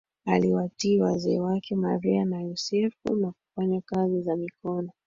aliwatii wazee wake Maria na Yosefu na kufanya kazi za mikono